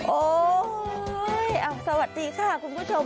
โอ้ยยยยยยอ่ะสวัสดีค่ะคุณผู้ชม